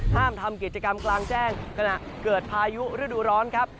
ห้ามทำกิจกรรมกลางแจ้งขณะเกิดพายุฤดูร้อนครับ